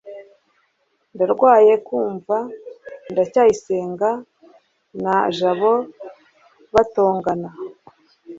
ndarwaye kumva ndacyayisenga na jabo batongana